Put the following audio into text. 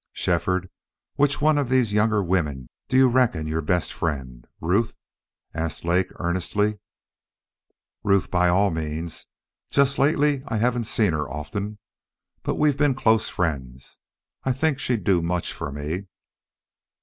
"Shefford, which one of these younger women do you reckon your best friend? Ruth?" asked Lake, earnestly. "Ruth, by all means. Just lately I haven't seen her often. But we've been close friends. I think she'd do much for me."